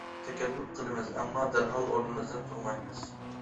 تەكەللۇپ قىلىمىز ئەمما دەرھال ئورنىمىزدىن تۇرمايمىز.